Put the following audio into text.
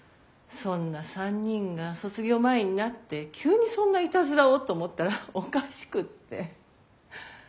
そんな３人が卒業前になって急にそんなイタズラをと思ったらおかしくって。